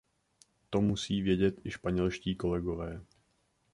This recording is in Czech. To musí vědět i španělští kolegové.